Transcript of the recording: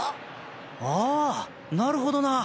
ああなるほどな！